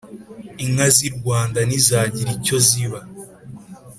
Inka z'i Rwanda ntizagira icyo ziba;